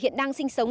hiện đang sinh sống